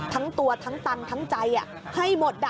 ทั้งตัวทั้งตังค์ทั้งใจให้หมด